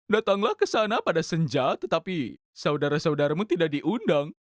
datanglah ke sana pada senja tetapi saudara saudaramu tidak diundang